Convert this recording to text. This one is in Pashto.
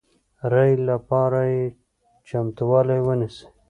ري لپاره یې چمتوالی ونیسئ